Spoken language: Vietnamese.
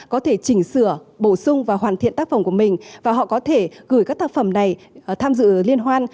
có thể chỉnh sửa bổ sung và hoàn thiện tác phẩm của mình và họ có thể gửi các tác phẩm này tham dự liên hoan